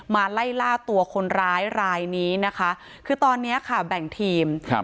มาไล่ล่าตัวคนร้ายรายนี้นะคะคือตอนเนี้ยค่ะแบ่งทีมครับ